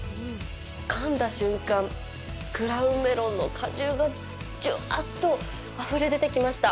かんだ瞬間、クラウンメロンの果汁がじゅわーっとあふれ出てきました。